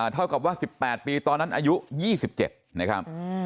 เท่ากับว่าสิบแปดปีตอนนั้นอายุยี่สิบเจ็ดนะครับ